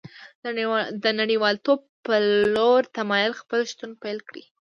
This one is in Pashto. د نړیوالتوب په لور تمایل خپل شتون پیل کړی